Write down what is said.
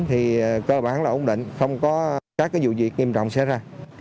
thì cơ bản là ổn định không có các dụ dịch nghiêm trọng xảy ra